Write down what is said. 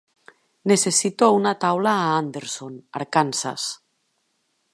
Necessito una taula a Anderson, Arkansas